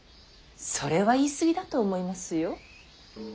それは言い過ぎだと思いますよ。